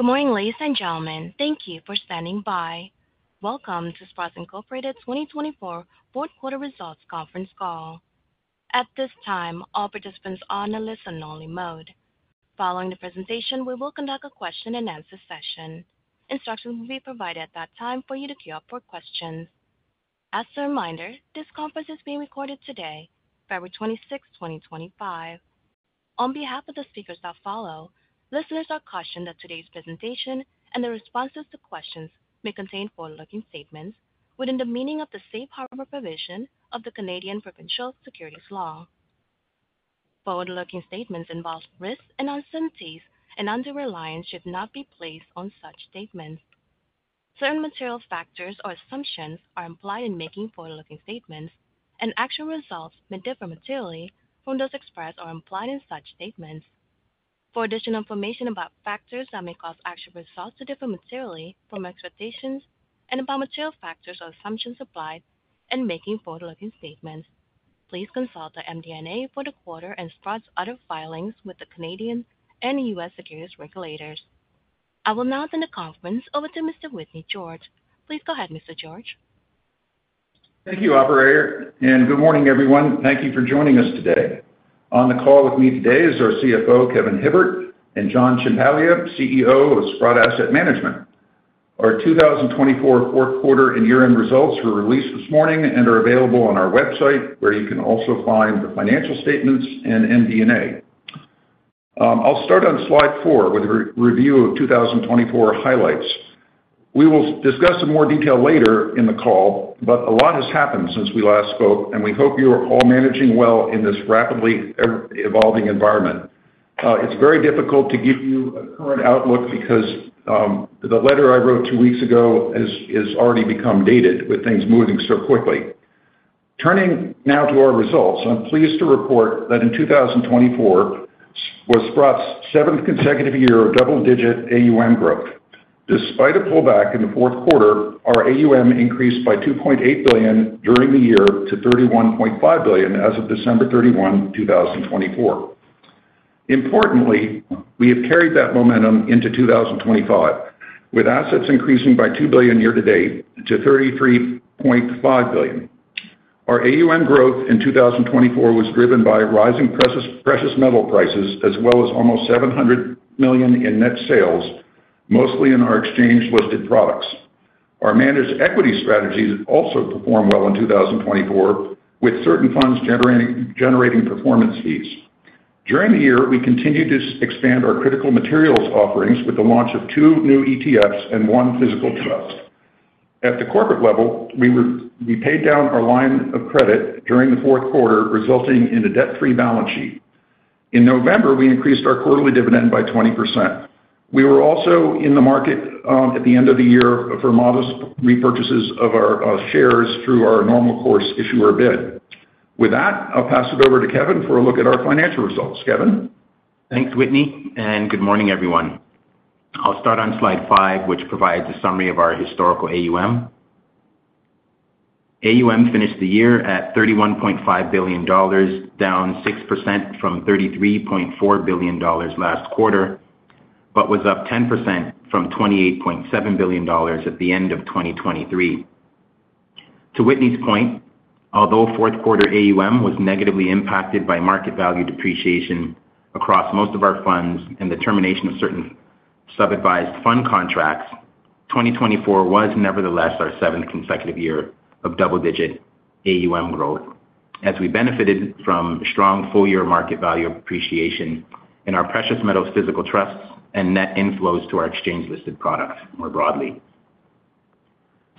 Good morning, ladies and gentlemen. Thank you for standing by. Welcome to Sprott Incorporated 2024 Fourth Quarter Results Conference Call. At this time, all participants are in a listen-only mode. Following the presentation, we will conduct a question-and-answer session. Instructions will be provided at that time for you to queue up for questions. As a reminder, this conference is being recorded today, February 26, 2025. On behalf of the speakers that follow, listeners are cautioned that today's presentation and the responses to questions may contain forward-looking statements within the meaning of the safe harbor provision of the Canadian provincial securities law. Forward-looking statements involve risks and uncertainties, and undue reliance should not be placed on such statements. Certain material factors or assumptions are implied in making forward-looking statements, and actual results may differ materially from those expressed or implied in such statements. For additional information about factors that may cause actual results to differ materially from expectations and about material factors or assumptions applied in making forward-looking statements, please consult the MD&A for the quarter and Sprott's other filings with the Canadian and U.S. securities regulators. I will now turn the conference over to Mr. Whitney George. Please go ahead, Mr. George. Thank you, Operator. Good morning, everyone. Thank you for joining us today. On the call with me today is our CFO, Kevin Hibbert, and John Ciampaglia, CEO of Sprott Asset Management. Our 2024 Fourth Quarter and Year-End Results were released this morning and are available on our website, where you can also find the financial statements and MD&A. I'll start on slide four with a review of 2024 highlights. We will discuss in more detail later in the call, but a lot has happened since we last spoke, and we hope you are all managing well in this rapidly evolving environment. It's very difficult to give you a current outlook because the letter I wrote two weeks ago has already become dated with things moving so quickly. Turning now to our results, I'm pleased to report that in 2024 was Sprott's seventh consecutive year of double-digit AUM growth. Despite a pullback in the fourth quarter, our AUM increased by $2.8 billion during the year to $31.5 billion as of December 31, 2024. Importantly, we have carried that momentum into 2025, with assets increasing by $2 billion year-to-date to $33.5 billion. Our AUM growth in 2024 was driven by rising precious metal prices, as well as almost $700 million in net sales, mostly in our exchange-listed products. Our managed equity strategies also performed well in 2024, with certain funds generating performance fees. During the year, we continued to expand our critical materials offerings with the launch of two new ETFs and one physical trust. At the corporate level, we paid down our line of credit during the fourth quarter, resulting in a debt-free balance sheet. In November, we increased our quarterly dividend by 20%. We were also in the market at the end of the year for modest repurchases of our shares through our normal-course issuer bid. With that, I'll pass it over to Kevin for a look at our financial results. Kevin? Thanks, Whitney, and good morning, everyone. I'll start on slide five, which provides a summary of our historical AUM. AUM finished the year at $31.5 billion, down 6% from $33.4 billion last quarter, but was up 10% from $28.7 billion at the end of 2023. To Whitney's point, although fourth-quarter AUM was negatively impacted by market value depreciation across most of our funds and the termination of certain sub-advised fund contracts, 2024 was nevertheless our seventh consecutive year of double-digit AUM growth, as we benefited from strong full-year market value appreciation in our precious metals, physical trusts, and net inflows to our exchange-listed products more broadly.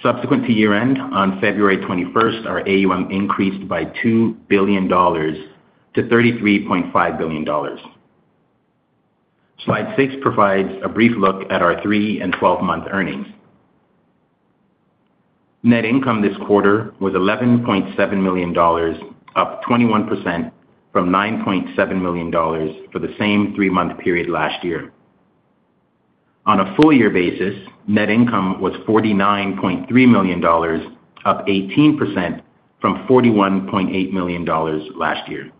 Subsequent to year-end, on February 21, our AUM increased by $2 billion to $33.5 billion. Slide six provides a brief look at our three and twelve-month earnings. Net income this quarter was $11.7 million, up 21% from $9.7 million for the same three-month period last year. On a full-year basis, net income was $49.3 million, up 18% from $41.8 million last year.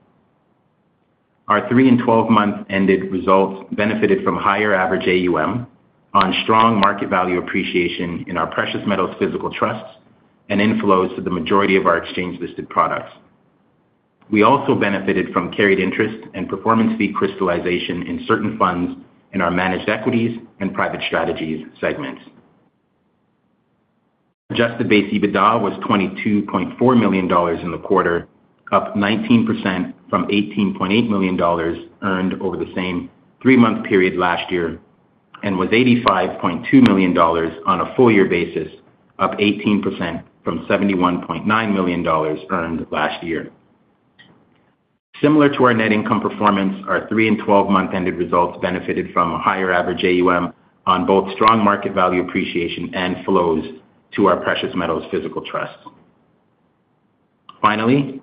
Our three and twelve-month ended results benefited from higher average AUM on strong market value appreciation in our precious metals, physical trusts, and inflows to the majority of our exchange-listed products. We also benefited from carried interest and performance fee crystallization in certain funds in our managed equities and private strategies segments. Adjusted base EBITDA was $22.4 million in the quarter, up 19% from $18.8 million earned over the same three-month period last year, and was $85.2 million on a full-year basis, up 18% from $71.9 million earned last year. Similar to our net income performance, our three and 12-month ended results benefited from a higher average AUM on both strong market value appreciation and flows to our precious metals, physical trusts. Finally,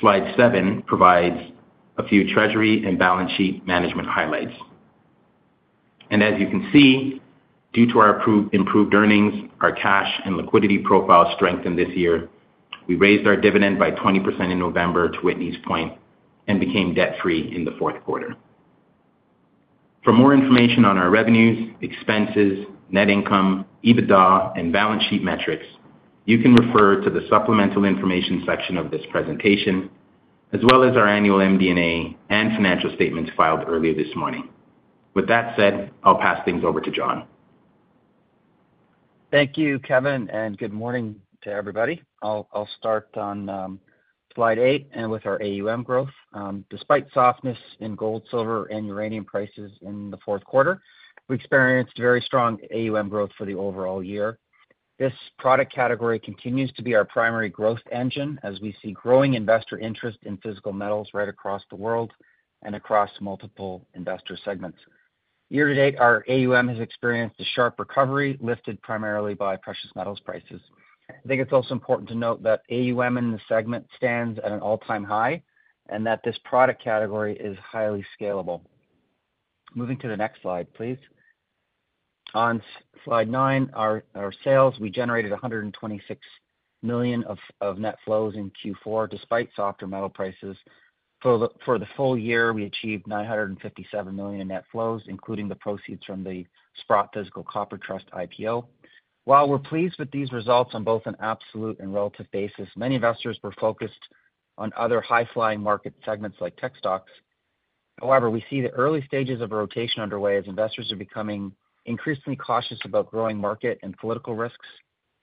slide 7 provides a few treasury and balance sheet management highlights, and as you can see, due to our improved earnings, our cash and liquidity profile strengthened this year. We raised our dividend by 20% in November, to Whitney's point, and became debt-free in the fourth quarter. For more information on our revenues, expenses, net income, EBITDA, and balance sheet metrics, you can refer to the supplemental information section of this presentation, as well as our annual MD&A and financial statements filed earlier this morning. With that said, I'll pass things over to John. Thank you, Kevin, and good morning to everybody. I'll start on slide eight and with our AUM growth. Despite softness in gold, silver, and uranium prices in the fourth quarter, we experienced very strong AUM growth for the overall year. This product category continues to be our primary growth engine, as we see growing investor interest in physical metals right across the world and across multiple investor segments. Year-to-date, our AUM has experienced a sharp recovery, lifted primarily by precious metals prices. I think it's also important to note that AUM in the segment stands at an all-time high and that this product category is highly scalable. Moving to the next slide, please. On slide nine, our sales, we generated $126 million of net flows in Q4, despite softer metal prices. For the full year, we achieved $957 million in net flows, including the proceeds from the Sprott Physical Copper Trust IPO. While we're pleased with these results on both an absolute and relative basis, many investors were focused on other high-flying market segments like tech stocks. However, we see the early stages of a rotation underway as investors are becoming increasingly cautious about growing market and political risks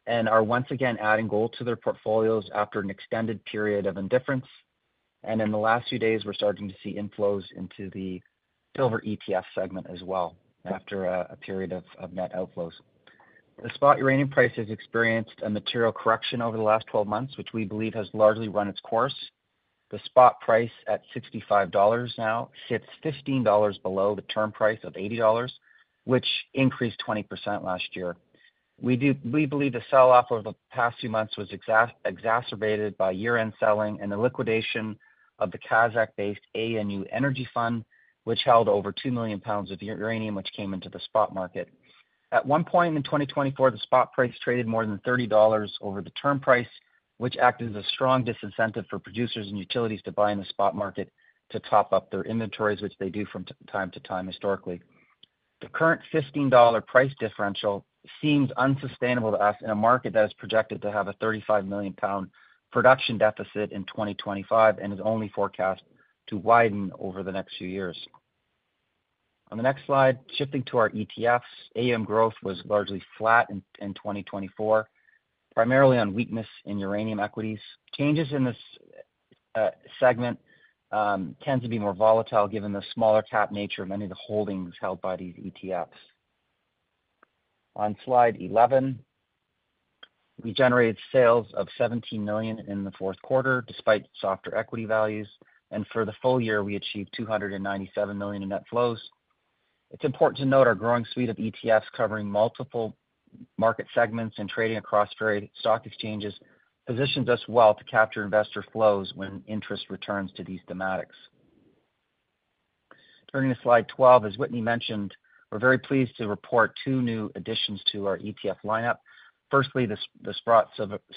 and are once again adding gold to their portfolios after an extended period of indifference, and in the last few days, we're starting to see inflows into the silver ETF segment as well after a period of net outflows. The spot uranium price has experienced a material correction over the last 12 months, which we believe has largely run its course. The spot price at $65 now sits $15 below the term price of $80, which increased 20% last year. We believe the sell-off over the past few months was exacerbated by year-end selling and the liquidation of the Kazakh-based ANU Energy Fund, which held over 2 million pounds of uranium, which came into the spot market. At one point in 2024, the spot price traded more than $30 over the term price, which acted as a strong disincentive for producers and utilities to buy in the spot market to top up their inventories, which they do from time to time historically. The current $15 price differential seems unsustainable to us in a market that is projected to have a $35 million production deficit in 2025 and is only forecast to widen over the next few years. On the next slide, shifting to our ETFs, AUM growth was largely flat in 2024, primarily on weakness in uranium equities. Changes in this segment tend to be more volatile given the smaller-cap nature of many of the holdings held by these ETFs. On slide 11, we generated sales of $17 million in the fourth quarter, despite softer equity values, and for the full year, we achieved $297 million in net flows. It's important to note our growing suite of ETFs covering multiple market segments and trading across various stock exchanges, positions us well to capture investor flows when interest returns to these thematics. Turning to slide 12, as Whitney mentioned, we're very pleased to report two new additions to our ETF lineup. Firstly, the Sprott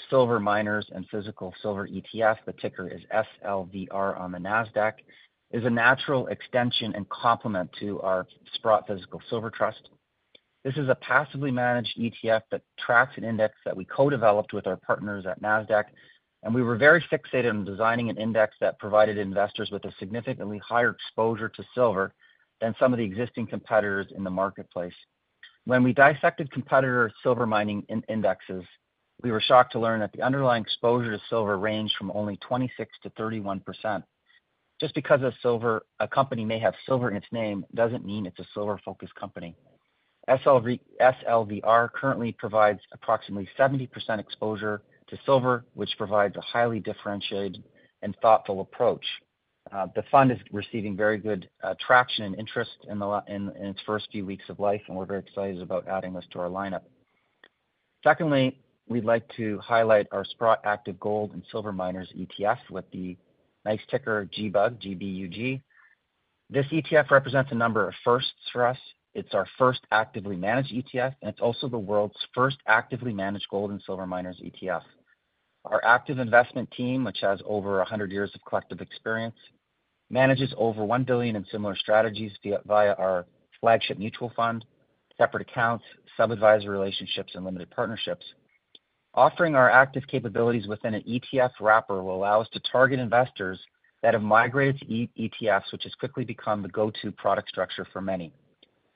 Silver Miners and Physical Silver ETF, the ticker is SLVR on the NASDAQ, is a natural extension and complement to our Sprott Physical Silver Trust. This is a passively managed ETF that tracks an index that we co-developed with our partners at NASDAQ, and we were very fixated on designing an index that provided investors with a significantly higher exposure to silver than some of the existing competitors in the marketplace. When we dissected competitor silver mining indexes, we were shocked to learn that the underlying exposure to silver ranged from only 26%-31%. Just because a company may have silver in its name doesn't mean it's a silver-focused company. SLVR currently provides approximately 70% exposure to silver, which provides a highly differentiated and thoughtful approach. The fund is receiving very good traction and interest in its first few weeks of life, and we're very excited about adding this to our lineup. Secondly, we'd like to highlight our Sprott Active Gold and Silver Miners ETF with the nice ticker GBUG. This ETF represents a number of firsts for us. It's our first actively managed ETF, and it's also the world's first actively managed Gold and Silver Miners ETF. Our active investment team, which has over 100 years of collective experience, manages over $1 billion in similar strategies via our flagship mutual fund, separate accounts, sub-advisor relationships, and limited partnerships. Offering our active capabilities within an ETF wrapper will allow us to target investors that have migrated to ETFs, which has quickly become the go-to product structure for many.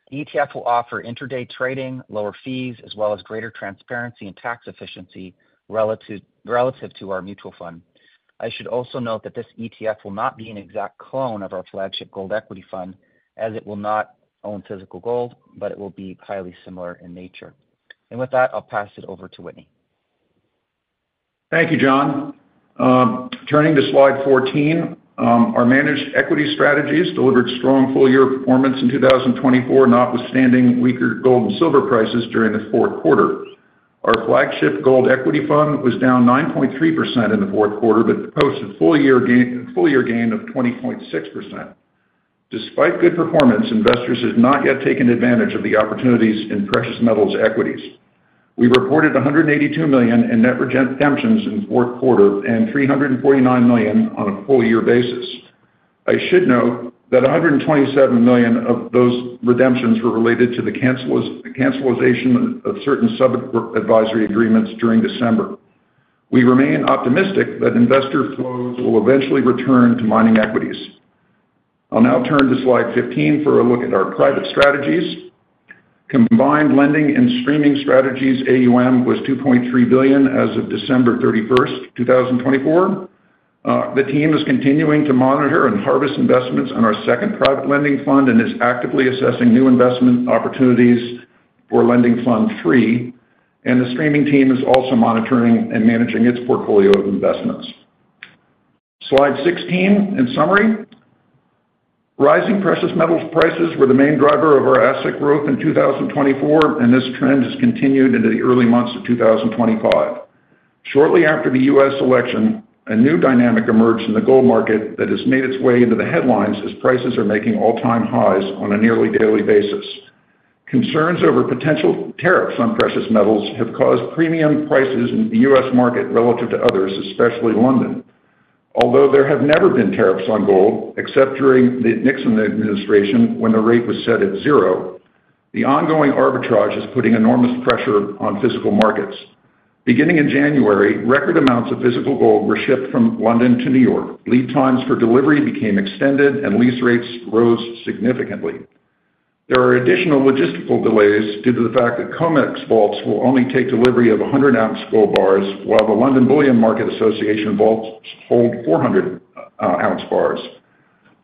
The ETF will offer intraday trading, lower fees, as well as greater transparency and tax efficiency relative to our mutual fund. I should also note that this ETF will not be an exact clone of our flagship Gold Equity Fund, as it will not own physical gold, but it will be highly similar in nature. With that, I'll pass it over to Whitney. Thank you, John. Turning to slide 14, our managed equity strategies delivered strong full-year performance in 2024, notwithstanding weaker gold and silver prices during the fourth quarter. Our flagship Gold Equity Fund was down 9.3% in the fourth quarter, but posted full-year gain of 20.6%. Despite good performance, investors have not yet taken advantage of the opportunities in precious metals equities. We reported $182 million in net redemptions in the fourth quarter and $349 million on a full-year basis. I should note that $127 million of those redemptions were related to the cancellation of certain sub-advisory agreements during December. We remain optimistic that investor flows will eventually return to mining equities. I'll now turn to slide 15 for a look at our private strategies. Combined lending and streaming strategies AUM was $2.3 billion as of December 31st, 2024. The team is continuing to monitor and harvest investments on our second private lending fund and is actively assessing new investment opportunities for Lending Fund III, and the streaming team is also monitoring and managing its portfolio of investments. Slide 16, in summary, rising precious metals prices were the main driver of our asset growth in 2024, and this trend has continued into the early months of 2025. Shortly after the U.S. election, a new dynamic emerged in the gold market that has made its way into the headlines as prices are making all-time highs on a nearly daily basis. Concerns over potential tariffs on precious metals have caused premium prices in the U.S. market relative to others, especially London. Although there have never been tariffs on gold, except during the Nixon administration when the rate was set at zero, the ongoing arbitrage is putting enormous pressure on physical markets. Beginning in January, record amounts of physical gold were shipped from London to New York. Lead times for delivery became extended, and lease rates rose significantly. There are additional logistical delays due to the fact that COMEX vaults will only take delivery of 100-oz gold bars, while the London Bullion Market Association vaults hold 400-oz bars.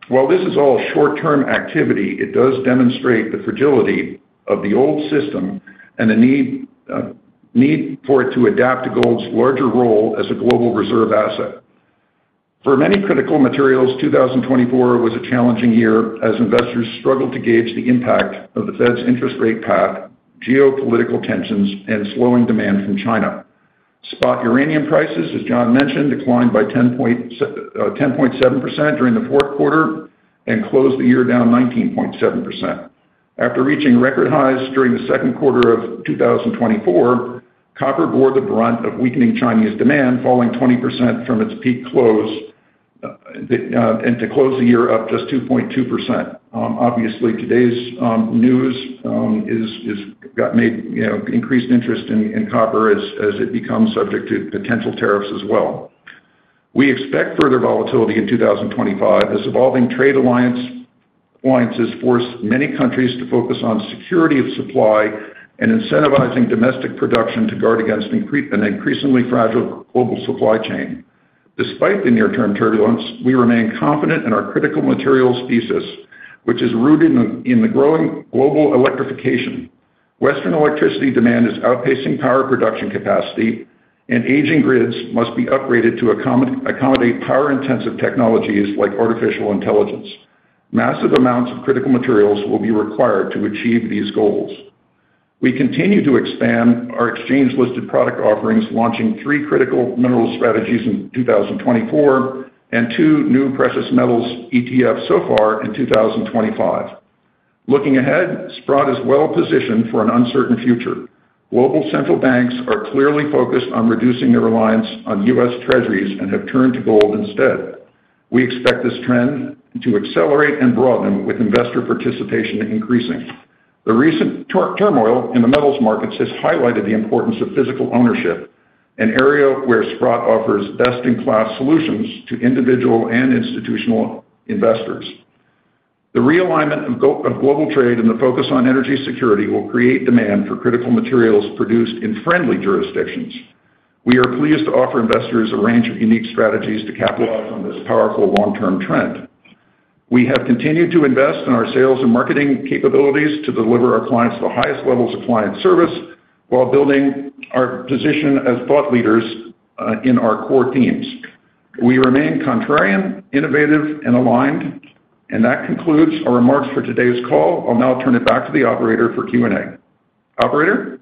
While this is all short-term activity, it does demonstrate the fragility of the old system and the need for it to adapt to gold's larger role as a global reserve asset. For many critical materials, 2024 was a challenging year as investors struggled to gauge the impact of the Fed's interest rate path, geopolitical tensions, and slowing demand from China. Spot uranium prices, as John mentioned, declined by 10.7% during the fourth quarter and closed the year down 19.7%. After reaching record highs during the second quarter of 2024, copper bore the brunt of weakening Chinese demand, falling 20% from its peak close and to close the year up just 2.2%. Obviously, today's news got increased interest in copper as it becomes subject to potential tariffs as well. We expect further volatility in 2025 as evolving trade alliances force many countries to focus on security of supply and incentivizing domestic production to guard against an increasingly fragile global supply chain. Despite the near-term turbulence, we remain confident in our critical materials thesis, which is rooted in the growing global electrification. Western electricity demand is outpacing power production capacity, and aging grids must be upgraded to accommodate power-intensive technologies like artificial intelligence. Massive amounts of critical materials will be required to achieve these goals. We continue to expand our exchange-listed product offerings, launching three critical mineral strategies in 2024 and two new precious metals ETFs so far in 2025. Looking ahead, Sprott is well-positioned for an uncertain future. Global central banks are clearly focused on reducing their reliance on U.S. Treasuries and have turned to gold instead. We expect this trend to accelerate and broaden with investor participation increasing. The recent turmoil in the metals markets has highlighted the importance of physical ownership, an area where Sprott offers best-in-class solutions to individual and institutional investors. The realignment of global trade and the focus on energy security will create demand for critical materials produced in friendly jurisdictions. We are pleased to offer investors a range of unique strategies to capitalize on this powerful long-term trend. We have continued to invest in our sales and marketing capabilities to deliver our clients the highest levels of client service while building our position as thought leaders in our core themes. We remain contrarian, innovative, and aligned, and that concludes our remarks for today's call. I'll now turn it back to the operator for Q&A. Operator?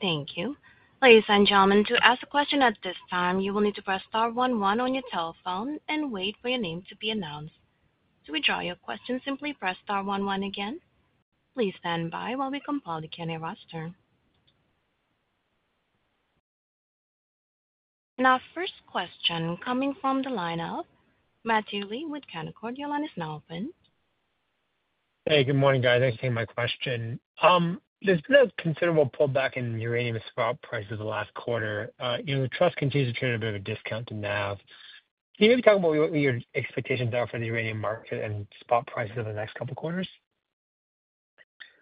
Thank you. To ask a question at this time, you will need to press star one one on your telephone and wait for your name to be announced. To withdraw your question, simply press star one one again. Please stand by while we compile the Q&A roster. Our first question coming from the line of Matthew Lee with Canaccord. Your line is now open. Hey, good morning, guys. Thanks for taking my question. There's been a considerable pullback in uranium and spot prices the last quarter. The trust continues to trade at a bit of a discount to NAV. Can you maybe talk about what your expectations are for the uranium market and spot prices over the next couple of quarters?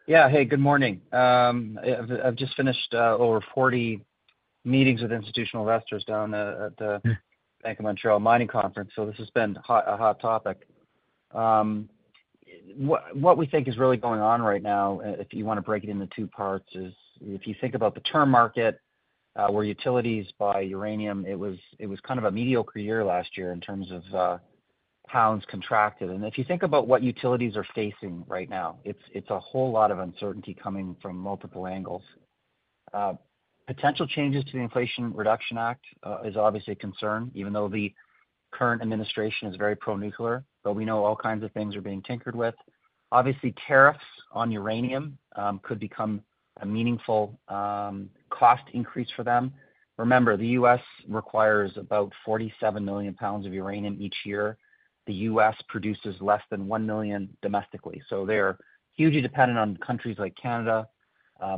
Yeah. Hey, good morning. I've just finished over 40 meetings with institutional investors down at the Bank of Montreal Mining Conference, so this has been a hot topic. What we think is really going on right now, if you want to break it into two parts, is if you think about the term market where utilities buy uranium, it was kind of a mediocre year last year in terms of pounds contracted. And if you think about what utilities are facing right now, it's a whole lot of uncertainty coming from multiple angles. Potential changes to the Inflation Reduction Act is obviously a concern, even though the current administration is very pro-nuclear, but we know all kinds of things are being tinkered with. Obviously, tariffs on uranium could become a meaningful cost increase for them. Remember, the U.S. requires about 47 million pounds of uranium each year. The U.S. Produces less than 1 million domestically. So they're hugely dependent on countries like Canada.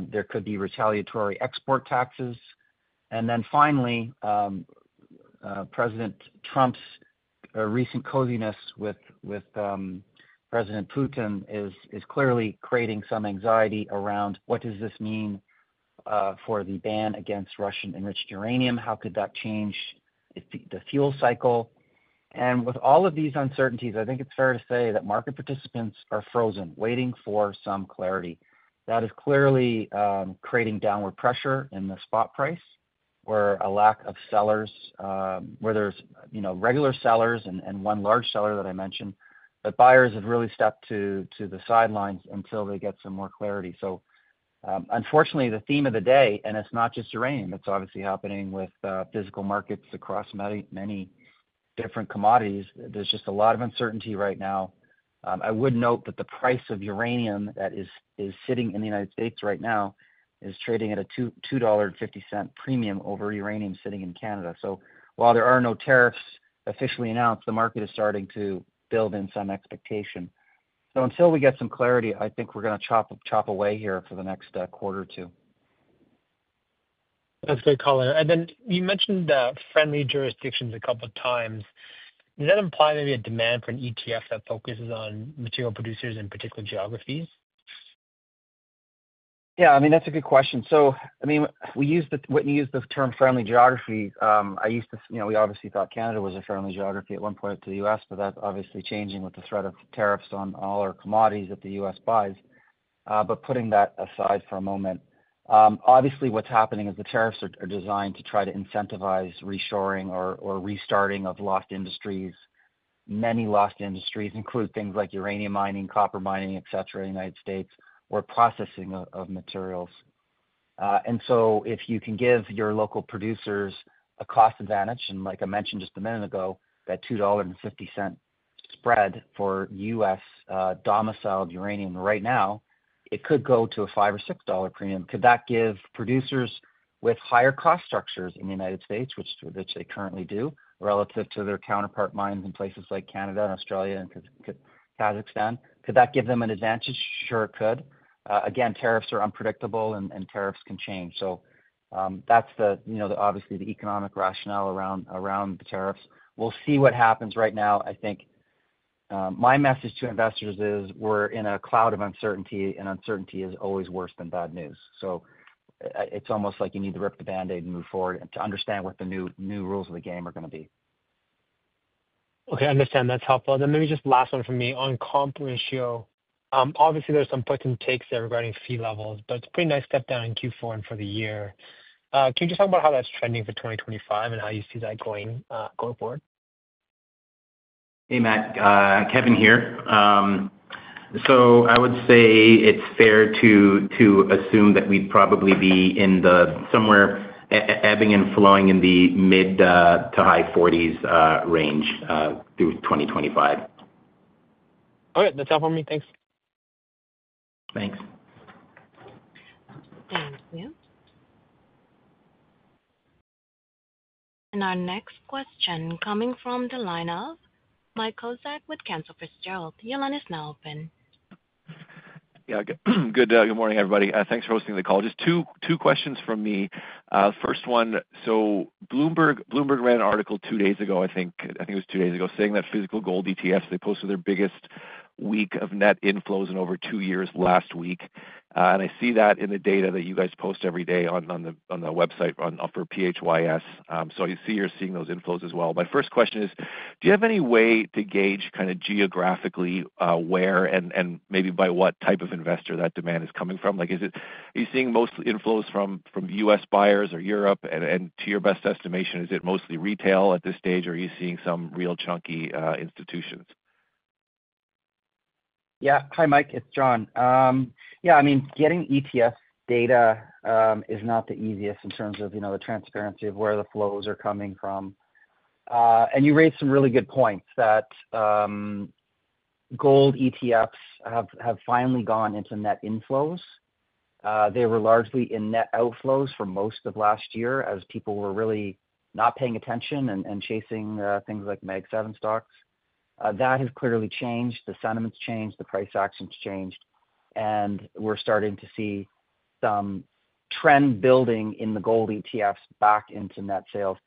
There could be retaliatory export taxes. And then finally, President Trump's recent coziness with President Putin is clearly creating some anxiety around what does this mean for the ban against Russian-enriched uranium? How could that change the fuel cycle? And with all of these uncertainties, I think it's fair to say that market participants are frozen, waiting for some clarity. That is clearly creating downward pressure in the spot price where a lack of sellers, where there's regular sellers and one large seller that I mentioned, but buyers have really stepped to the sidelines until they get some more clarity. So unfortunately, the theme of the day, and it's not just uranium, it's obviously happening with physical markets across many different commodities. There's just a lot of uncertainty right now. I would note that the price of uranium that is sitting in the United States right now is trading at a $2.50 premium over uranium sitting in Canada. So while there are no tariffs officially announced, the market is starting to build in some expectation. So until we get some clarity, I think we're going to chop away here for the next quarter or two. That's great color. And then you mentioned friendly jurisdictions a couple of times. Does that imply maybe a demand for an ETF that focuses on material producers in particular geographies? Yeah. I mean, that's a good question. So I mean, Whitney used the term friendly geography. I used to, we obviously thought Canada was a friendly geography at one point to the U.S., but that's obviously changing with the threat of tariffs on all our commodities that the U.S. buys. But putting that aside for a moment, obviously what's happening is the tariffs are designed to try to incentivize reshoring or restarting of lost industries. Many lost industries include things like uranium mining, copper mining, etc., in the United States or processing of materials. And so if you can give your local producers a cost advantage, and like I mentioned just a minute ago, that $2.50 spread for U.S.-domiciled uranium right now, it could go to a $5 or $6 premium. Could that give producers with higher cost structures in the United States, which they currently do, relative to their counterpart mines in places like Canada and Australia and Kazakhstan? Could that give them an advantage? Sure, it could. Again, tariffs are unpredictable and tariffs can change. So that's obviously the economic rationale around the tariffs. We'll see what happens right now. I think my message to investors is we're in a cloud of uncertainty, and uncertainty is always worse than bad news. So it's almost like you need to rip the Band-Aid and move forward and to understand what the new rules of the game are going to be. Okay. I understand. That's helpful, and then maybe just last one from me on comp ratio. Obviously, there's some puts and takes there regarding fee levels, but it's a pretty nice step down in Q4 and for the year. Can you just talk about how that's trending for 2025 and how you see that going forward? Hey, Matt. Kevin here. So I would say it's fair to assume that we'd probably be somewhere ebbing and flowing in the mid to high 40s range through 2025. All right. That's helpful for me. Thanks. Thanks. Thank you. And our next question coming from the lineup, Mike Kozak with Cantor Fitzgerald. Your line is now open. Yeah. Good morning, everybody. Thanks for hosting the call. Just two questions from me. First one, so Bloomberg ran an article two days ago, I think it was two days ago, saying that physical gold ETFs, they posted their biggest week of net inflows in over two years last week. And I see that in the data that you guys post every day on the website for PHYS. So I see you're seeing those inflows as well. My first question is, do you have any way to gauge kind of geographically where and maybe by what type of investor that demand is coming from? Are you seeing most inflows from U.S. buyers or Europe? And to your best estimation, is it mostly retail at this stage, or are you seeing some real chunky institutions? Yeah. Hi, Mike. It's John. Yeah. I mean, getting ETF data is not the easiest in terms of the transparency of where the flows are coming from. And you raised some really good points that gold ETFs have finally gone into net inflows. They were largely in net outflows for most of last year as people were really not paying attention and chasing things like Mag 7 stocks. That has clearly changed. The sentiment's changed. The price action's changed. And we're starting to see some trend building in the gold ETFs back into net sales.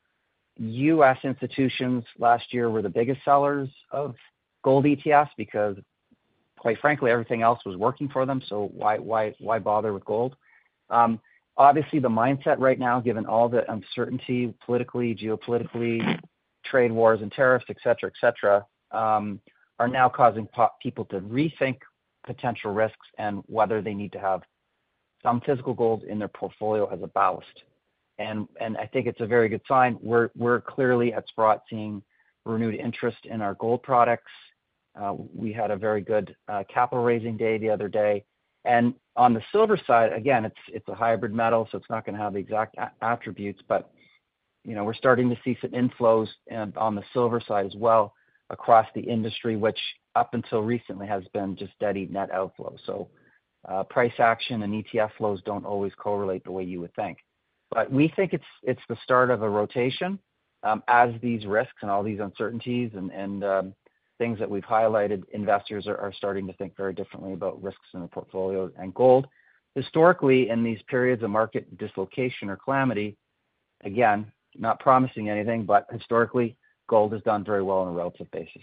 U.S. institutions last year were the biggest sellers of gold ETFs because, quite frankly, everything else was working for them. So why bother with gold? Obviously, the mindset right now, given all the uncertainty politically, geopolitically, trade wars and tariffs, etc., etc., are now causing people to rethink potential risks and whether they need to have some physical gold in their portfolio as a ballast, and I think it's a very good sign. We're clearly at Sprott seeing renewed interest in our gold products. We had a very good capital raising day the other day, and on the silver side, again, it's a hybrid metal, so it's not going to have the exact attributes, but we're starting to see some inflows on the silver side as well across the industry, which up until recently has been just dead net outflow, so price action and ETF flows don't always correlate the way you would think. But we think it's the start of a rotation as these risks and all these uncertainties and things that we've highlighted. Investors are starting to think very differently about risks in the portfolio and gold. Historically, in these periods of market dislocation or calamity, again, not promising anything, but historically, gold has done very well on a relative basis.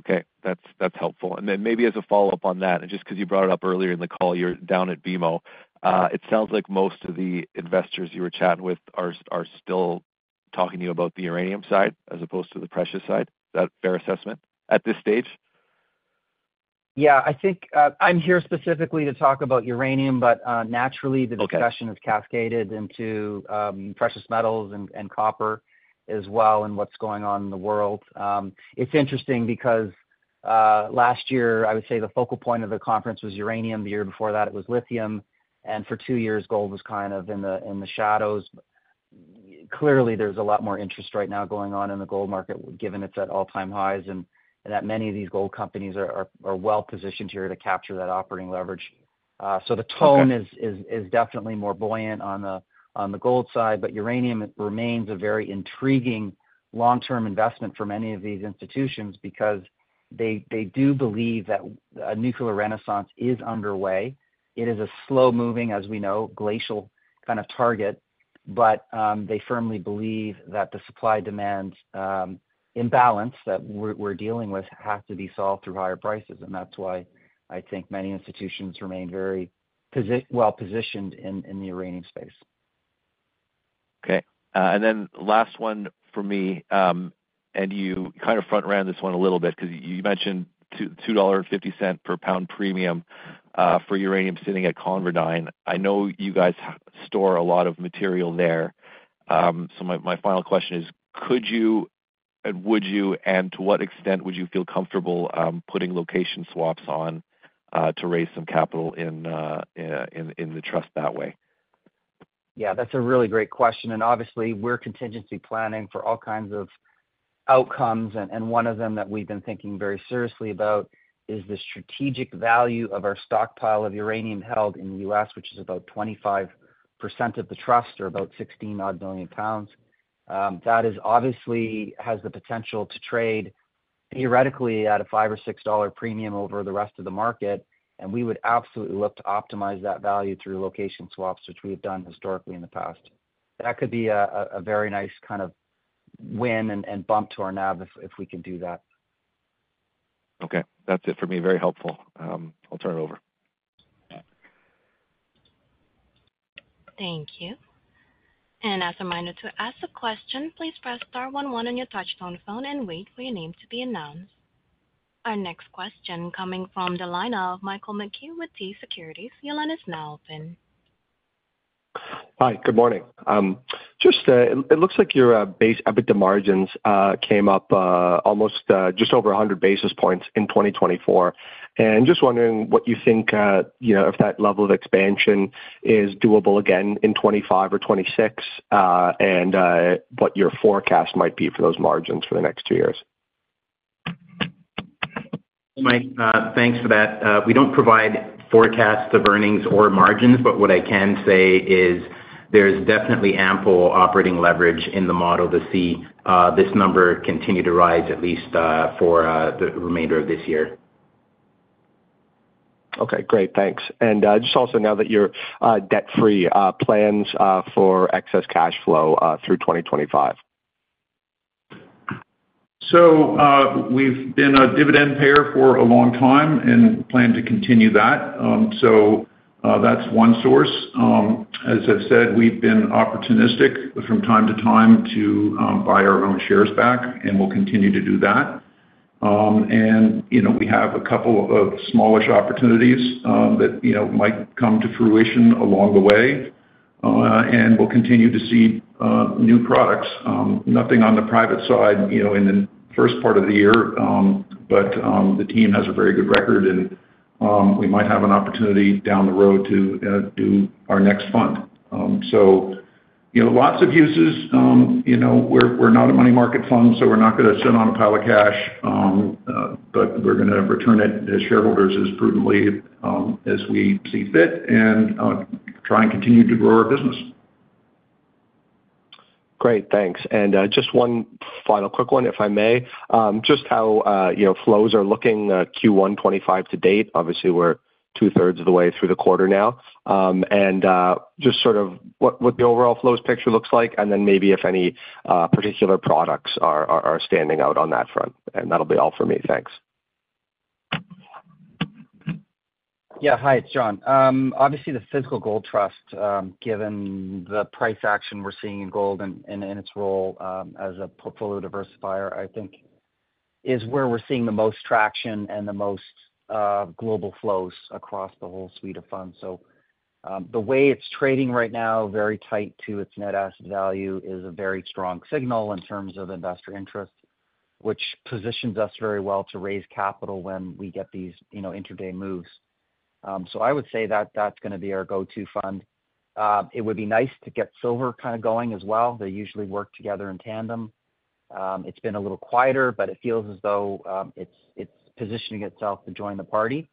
Okay. That's helpful. And then maybe as a follow-up on that, and just because you brought it up earlier in the call, you're down at BMO. It sounds like most of the investors you were chatting with are still talking to you about the uranium side as opposed to the precious side. Is that a fair assessment at this stage? Yeah. I think I'm here specifically to talk about uranium, but naturally, the discussion has cascaded into precious metals and copper as well and what's going on in the world. It's interesting because last year, I would say the focal point of the conference was uranium. The year before that, it was lithium, and for two years, gold was kind of in the shadows. Clearly, there's a lot more interest right now going on in the gold market, given it's at all-time highs and that many of these gold companies are well-positioned here to capture that operating leverage, so the tone is definitely more buoyant on the gold side, but uranium remains a very intriguing long-term investment for many of these institutions because they do believe that a nuclear renaissance is underway. It is a slow-moving, as we know, glacial kind of target, but they firmly believe that the supply-demand imbalance that we're dealing with has to be solved through higher prices. And that's why I think many institutions remain very well-positioned in the uranium space. Okay. And then last one for me, and you kind of front-ran this one a little bit because you mentioned $2.50 per pound premium for uranium sitting at ConverDyn. I know you guys store a lot of material there. So my final question is, could you and would you, and to what extent would you feel comfortable putting location swaps on to raise some capital in the trust that way? Yeah. That's a really great question. And obviously, we're contingency planning for all kinds of outcomes. And one of them that we've been thinking very seriously about is the strategic value of our stockpile of uranium held in the U.S., which is about 25% of the trust or about 16-odd million pounds. That obviously has the potential to trade theoretically at a $5 or $6 premium over the rest of the market. And we would absolutely look to optimize that value through location swaps, which we've done historically in the past. That could be a very nice kind of win and bump to our NAV if we can do that. Okay. That's it for me. Very helpful. I'll turn it over. Thank you and, as a reminder, to ask the question, please press star 11 on your touch-tone phone and wait for your name to be announced. Our next question coming from the line of Michael McHugh with TD Securities. Your line is now open. Hi. Good morning. It looks like your EBITDA margins came up almost just over 100 basis points in 2024, and just wondering what you think if that level of expansion is doable again in 2025 or 2026 and what your forecast might be for those margins for the next two years? Mike, thanks for that. We don't provide forecasts of earnings or margins, but what I can say is there's definitely ample operating leverage in the model to see this number continue to rise at least for the remainder of this year. Okay. Great. Thanks, and just also now that you're debt-free, plans for excess cash flow through 2025? So we've been a dividend payer for a long time and plan to continue that. So that's one source. As I've said, we've been opportunistic from time to time to buy our own shares back, and we'll continue to do that. And we have a couple of smaller opportunities that might come to fruition along the way. And we'll continue to see new products. Nothing on the private side in the first part of the year, but the team has a very good record, and we might have an opportunity down the road to do our next fund. So lots of uses. We're not a money market fund, so we're not going to sit on a pile of cash, but we're going to return it to shareholders as prudently as we see fit and try and continue to grow our business. Great. Thanks, and just one final quick one, if I may. Just how flows are looking Q1 2025 to date. Obviously, we're two-thirds of the way through the quarter now, and just sort of what the overall flows picture looks like, and then maybe if any particular products are standing out on that front, and that'll be all for me. Thanks. Yeah. Hi. It's John. Obviously, the Physical Gold Trust, given the price action we're seeing in gold and its role as a portfolio diversifier, I think is where we're seeing the most traction and the most global flows across the whole suite of funds. So the way it's trading right now, very tight to its net asset value, is a very strong signal in terms of investor interest, which positions us very well to raise capital when we get these intraday moves. So I would say that that's going to be our go-to fund. It would be nice to get silver kind of going as well. They usually work together in tandem. It's been a little quieter, but it feels as though it's positioning itself to join the party.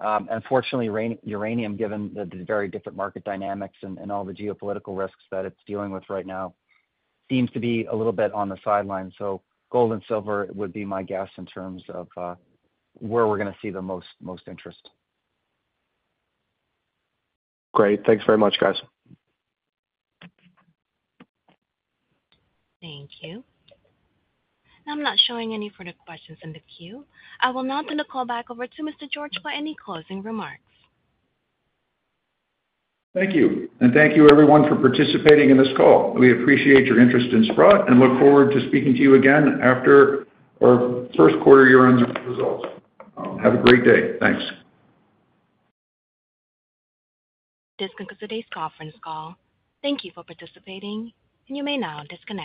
Unfortunately, uranium, given the very different market dynamics and all the geopolitical risks that it's dealing with right now, seems to be a little bit on the sideline. So gold and silver would be my guess in terms of where we're going to see the most interest. Great. Thanks very much, guys. Thank you. I'm not showing any further questions in the queue. I will now turn the call back over to Mr. George for any closing remarks. Thank you. And thank you, everyone, for participating in this call. We appreciate your interest in Sprott and look forward to speaking to you again after our first quarter year-end results. Have a great day. Thanks. This concludes today's conference call. Thank you for participating, and you may now disconnect.